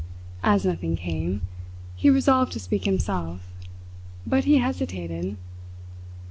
As nothing came, he resolved to speak himself; but he hesitated.